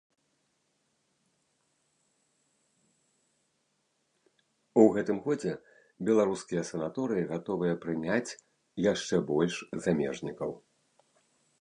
У гэтым годзе беларускія санаторыі гатовыя прыняць яшчэ больш замежнікаў.